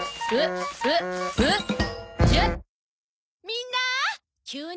みんなー！